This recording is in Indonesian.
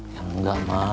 ya enggak ma